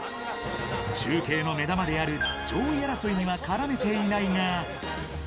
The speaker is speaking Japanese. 中継の目玉である上位争いには絡めていないが。